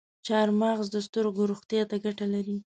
چارمغز د سترګو روغتیا ته ګټه لري.